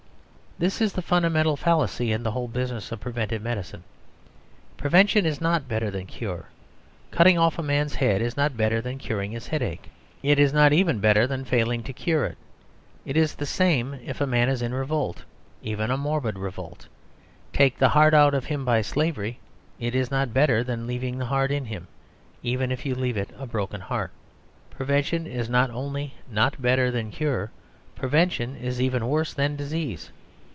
This is the fundamental fallacy in the whole business of preventive medicine. Prevention is not better than cure. Cutting off a man's head is not better than curing his headache; it is not even better than failing to cure it. And it is the same if a man is in revolt, even a morbid revolt. Taking the heart out of him by slavery is not better than leaving the heart in him, even if you leave it a broken heart. Prevention is not only not better than cure; prevention is even worse than disease.